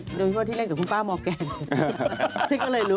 เดี๋ยวพี่พ่อที่เล่นกับคุณป้ามแกนฉันก็เลยรู้